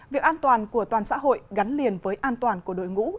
việc an toàn của toàn xã hội gắn liền với an toàn của đội ngũ